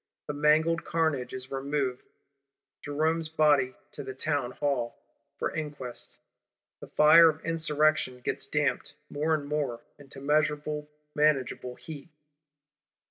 The mangled carnage is removed; Jerome's body to the Townhall, for inquest: the fire of Insurrection gets damped, more and more, into measurable, manageable heat.